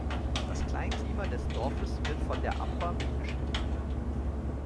Das Kleinklima des Dorfes wird von der Amper mitbestimmt.